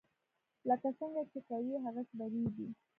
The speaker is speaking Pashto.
لکه څنګه چې کوې هغسې به ریبې.